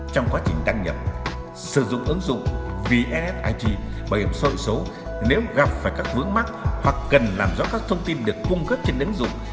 trong quá trình đăng nhập sử dụng ứng dụng vns ig bảo hiểm xã hội số nếu gặp phải các vướng mắt hoặc cần làm rõ các thông tin được cung cấp trên ứng dụng